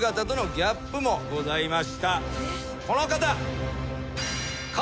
この方。